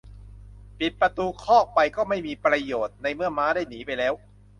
ปิดประตูคอกไปก็ไม่มีประโยชน์ ในเมื่อม้าได้หนีไปแล้ว